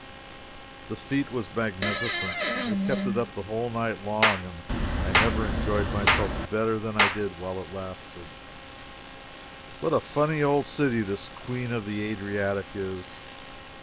The fete was magnificent. They kept it up the whole night long, and I never enjoyed myself better than I did while it lasted. What a funny old city this Queen of the Adriatic is!